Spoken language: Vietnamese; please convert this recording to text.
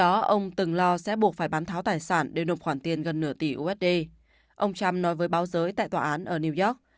ông trump nói với báo giới tại tòa án ở new york